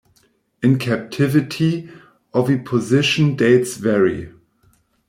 In captivity, oviposition dates vary.